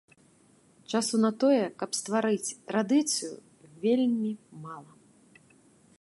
Часу на тое, каб стварыць традыцыю, вельмі мала.